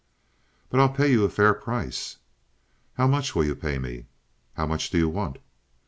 "But I'll pay you a fair price." "How much will you pay me?" "How much do you want?"